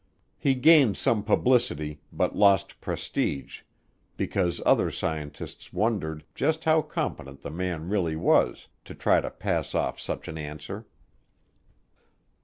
He gained some publicity but lost prestige because other scientists wondered just how competent the man really was to try to pass off such an answer.